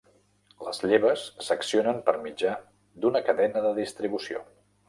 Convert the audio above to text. Les lleves s'accionen per mitjà d'una cadena de distribució.